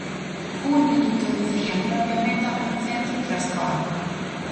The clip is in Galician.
Juni introducía en propia meta un centro tras córner.